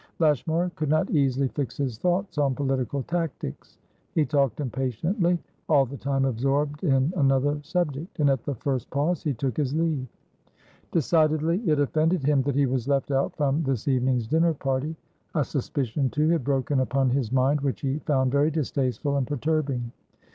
Lashmar could not easily fix his thoughts on political tactics. He talked impatiently, all the time absorbed in another subject; and at the first pause he took his leave. Decidedly it offended him that he was left out from this evening's dinner party. A suspicion, too, had broken upon his mind which he found very distasteful and perturbing.